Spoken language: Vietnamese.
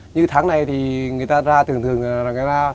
như tháng này thì người ta ra thường thường là người ra